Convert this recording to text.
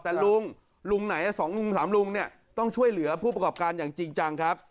แต่ลุงลุงไหน๒ลุง๓ลุงเนี่ยต้องช่วยเหลือผู้ประกอบการอย่างจริงจังครับ